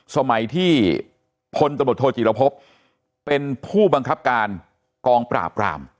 สมัยที่พลตรบทโทษฎีลภพภูมิเป็นผู้บังคับการกองปราบปร่าม